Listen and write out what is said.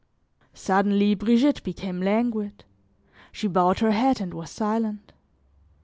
Suddenly, Brigitte became languid; she bowed her head and was silent.